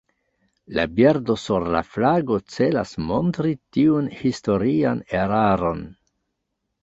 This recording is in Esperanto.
La birdo sur la flago celas montri tiun historian eraron.